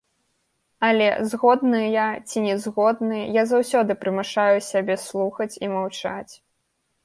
Але, згодны я ці не згодны, я заўсёды прымушаю сябе слухаць і маўчаць.